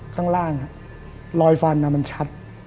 ข้างล่างรอยฟันมันชัด